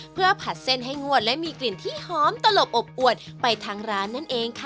เพื่อผัดเส้นให้งวดและมีกลิ่นที่หอมตลบอบอวดไปทางร้านนั่นเองค่ะ